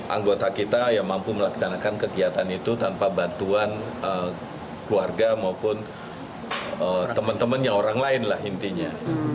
anggota kita yang mampu melaksanakan kegiatan itu tanpa bantuan keluarga maupun teman temannya orang lain lah intinya